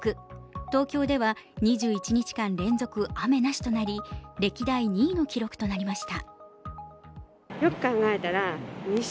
東京では、２１日間連続雨なしとなり歴代２位の記録となりました。